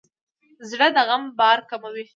زړه د غم بار کموي.